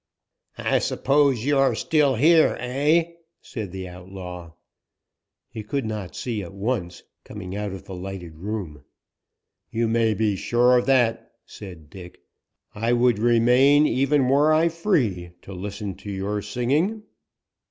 "I suppose you are still here, eh?" said the outlaw. He could not see at once, coming out of the lighted room. "You might be sure of that," said Dick. "I would remain, even were I free, to listen to your singing."